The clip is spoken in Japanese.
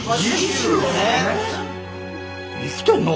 生きてんの？